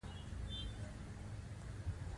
دی په دستي د مقصد ټکي ته ځان رسوي.